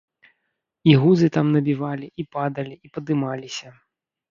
І гузы там набівалі, і падалі, і падымаліся.